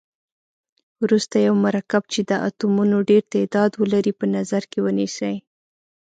وروسته یو مرکب چې د اتومونو ډیر تعداد ولري په نظر کې ونیسئ.